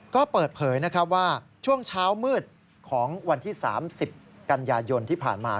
ก็เปิดเผยนะครับว่าช่วงเช้ามืดของวันที่๓๐กันยายนที่ผ่านมา